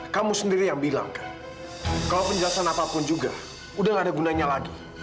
sampai jumpa di video selanjutnya